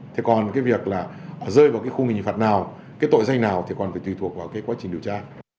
thế còn cái việc là rơi vào cái khung hình phạt nào cái tội danh nào thì còn phải tùy thuộc vào cái quá trình điều tra